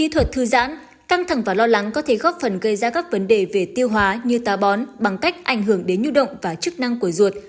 thư giãn căng thẳng và lo lắng có thể góp phần gây ra các vấn đề về tiêu hóa như tà bón bằng cách ảnh hưởng đến nhu động và chức năng của ruột